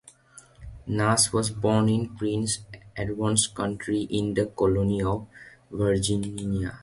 Nash was born in Prince Edward County in the Colony of Virginia.